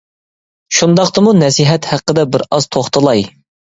شۇنداقتىمۇ نەسىھەت ھەققىدە بىر ئاز توختىلاي.